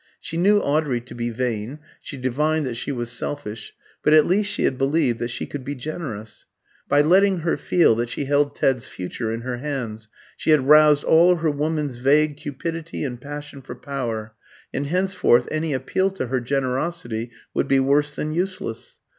She knew Audrey to be vain, she divined that she was selfish, but at least she had believed that she could be generous. By letting her feel that she held Ted's future in her hands, she had roused all her woman's vague cupidity and passion for power, and henceforth any appeal to her generosity would be worse than useless.